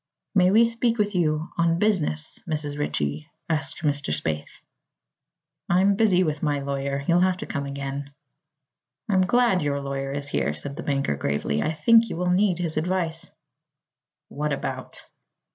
"May we speak with you on business Mrs. Ritchie?" asked Mr. Spaythe. "I'm busy with my lawyer. You'll have to come again." "I'm glad your lawyer is here," said the banker gravely. "I think you will need his advice." "What about?"